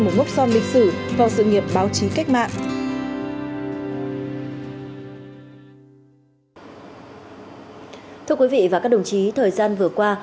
một mốc son lịch sử vào sự nghiệp báo chí cách mạng thưa quý vị và các đồng chí thời gian vừa qua